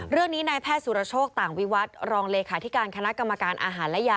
เรื่องนี้นายแพทย์สุรโชคต่างวิวัตรรองเลขาธิการคณะกรรมการอาหารและยา